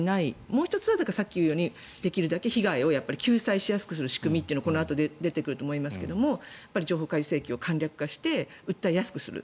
もう１つはさっきからいうようにできるだけ被害を救済しやすくする仕組みというのをこのあと出てくると思いますが情報開示請求を簡略化して訴えやすくする。